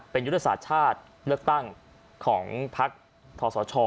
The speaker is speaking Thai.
เป็นยุทธศาสตร์ชาติเลือกตั้งของพักทศช